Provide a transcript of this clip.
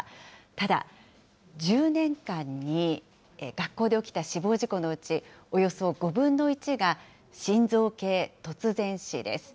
ただ、１０年間に学校で起きた死亡事故のうち、およそ５分の１が、心臓系突然死です。